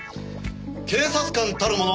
警察官たるもの